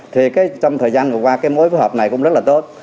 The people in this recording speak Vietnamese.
thì trong thời gian vừa qua cái mối phối hợp này cũng rất là tốt